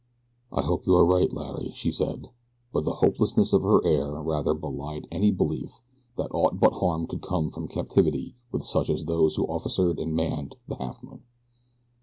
"I hope you are right, Larry," she said, but the hopelessness of her air rather belied any belief that aught but harm could come from captivity with such as those who officered and manned the Halfmoon.